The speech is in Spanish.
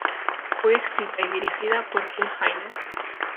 Fue escrita y dirigida por Tim Haines.